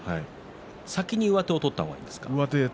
先に上手を取った方がいいですね。